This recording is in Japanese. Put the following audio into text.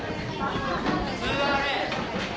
座れ！